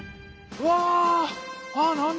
うわ！